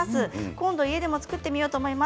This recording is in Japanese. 今度家でも作ってみようと思います。